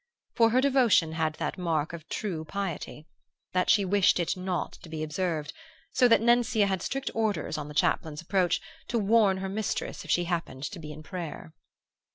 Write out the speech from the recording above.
For her devotion had that mark of true piety, that she wished it not to be observed; so that Nencia had strict orders, on the chaplain's approach, to warn her mistress if she happened to be in prayer.